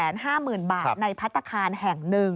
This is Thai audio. ใช่ค่ะ